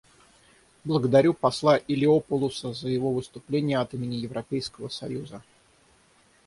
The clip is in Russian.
Благодарю посла Илиопулоса за его выступление от имени Европейского союза.